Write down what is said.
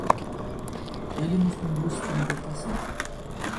Ele nos conduz à libertação